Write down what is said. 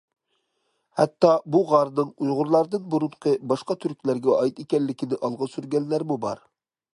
ھەتتا بۇ غارنىڭ ئۇيغۇرلاردىن بۇرۇنقى باشقا تۈركلەرگە ئائىت ئىكەنلىكىنى ئالغا سۈرگەنلەرمۇ بار.